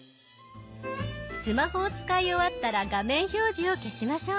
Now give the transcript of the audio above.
スマホを使い終わったら画面表示を消しましょう。